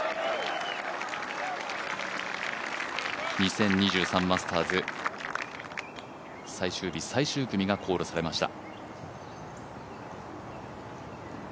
２０２３マスターズ、最終日最終組がコールされました。